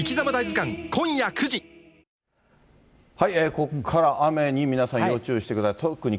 ここから雨に皆さん、要注意してください。